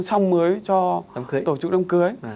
xong mới cho tổ chức đám cưới